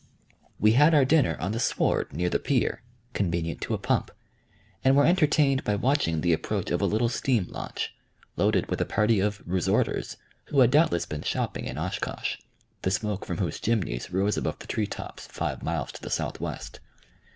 We had our dinner on the sward near the pier, convenient to a pump, and were entertained by watching the approach of a little steam launch, loaded with a party of "resorters" who had doubtless been shopping in Oshkosh, the smoke from whose chimneys rose above the tree tops, five miles to the southwest.